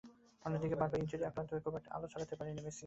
অন্যদিকে বারবার ইনজুরি আক্রান্ত হয়ে খুব একটা আলো ছড়াতে পারেননি মেসি।